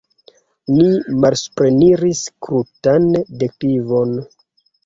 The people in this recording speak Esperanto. Ni malsupreniris krutan deklivon.